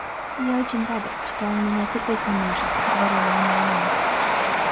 Я очень рада, что он меня терпеть не может, — говорила она о нем.